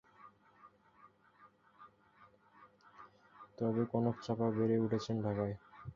তবে কনক চাঁপা বেড়ে উঠেছেন ঢাকায়।